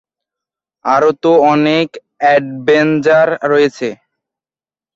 আরো তো অনেক অ্যাভেঞ্জার রয়েছে।